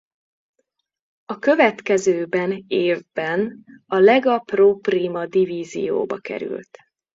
A következőben évben a Lega Pro Prima Divízióba került.